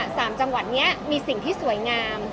สามจังหวัดนี้มีสิ่งที่สวยงาม